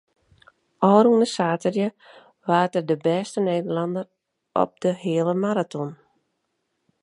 Ofrûne saterdei waard er de bêste Nederlanner op de heale maraton.